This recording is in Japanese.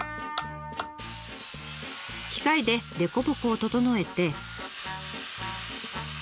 機械で凸凹を整えて。